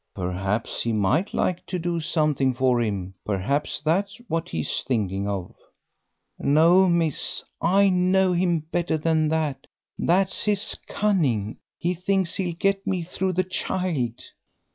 "Perhaps he might like to do something for him; perhaps that's what he's thinking of." "No, miss, I know him better than that. That's his cunning; he thinks he'll get me through the child."